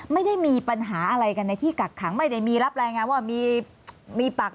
ไม่ได้มีปัญหาอะไรกันในที่กักขังไม่ได้มีรับรายงานว่ามีปาก